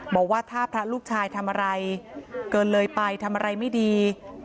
บอกว่าถ้าพระลูกชายทำอะไรเกินเลยไปทำอะไรไม่ดี